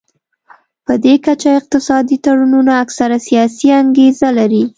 پدې کچه اقتصادي تړونونه اکثره سیاسي انګیزه لري